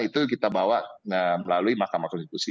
itu kita bawa melalui mahkamah konstitusi